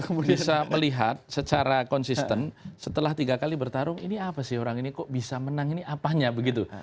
kita bisa melihat secara konsisten setelah tiga kali bertarung ini apa sih orang ini kok bisa menang ini apanya begitu